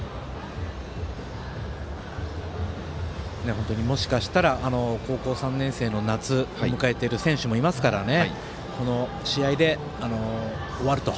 本当に、もしかしたら高校３年生の夏を迎えている選手もいますからこの試合で、終わると。